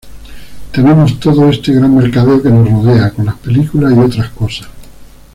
Tenemos todo este gran mercadeo que nos rodea, con las películas y otras cosas.